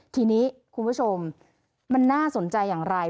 ทีนี้คุณผู้ชมมันน่าสนใจอย่างไร